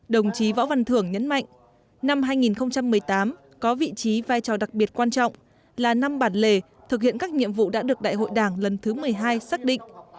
đồng chí võ văn thưởng nhấn mạnh năm hai nghìn một mươi tám có vị trí vai trò đặc biệt quan trọng là năm bản lề thực hiện các nhiệm vụ đã được đại hội đảng lần thứ một mươi hai xác định